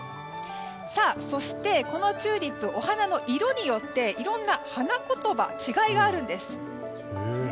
そして、このチューリップお花の色によっていろんな花言葉に違いがあるんです。